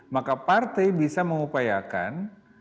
maka partai bisa mengupayakan